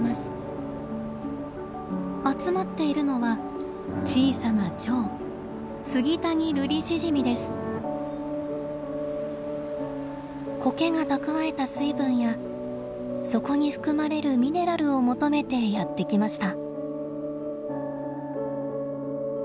集まっているのは小さなチョウコケが蓄えた水分やそこに含まれるミネラルを求めてやって来ました。